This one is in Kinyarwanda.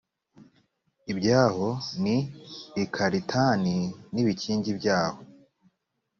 ibyaho ni i karitani n’ibikingi byaho